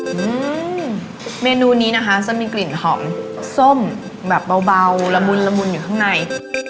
อืมเมนูนี้นะคะจะมีกลิ่นของส้มแบบเบาระมุนอยู่ข้างนาย